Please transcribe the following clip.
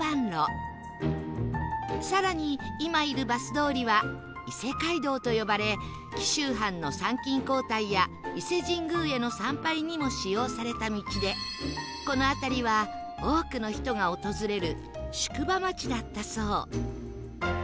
更に今いるバス通りは伊勢街道と呼ばれ紀州藩の参勤交代や伊勢神宮への参拝にも使用された道でこの辺りは多くの人が訪れる宿場町だったそう